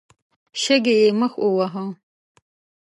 شګې يې مخ وواهه.